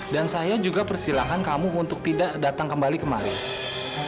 dan saya juga persilahkan kamu untuk tidak datang kembali kemarin